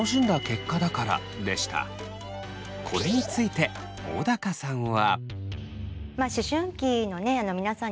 これについて小高さんは。